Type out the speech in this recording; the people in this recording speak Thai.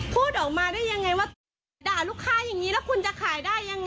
พูดออกมาได้ยังไงว่าด่าลูกค้าอย่างนี้แล้วคุณจะขายได้ยังไง